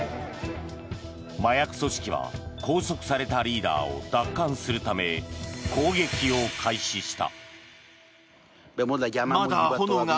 麻薬組織は拘束されたリーダーを奪還するため攻撃を開始した。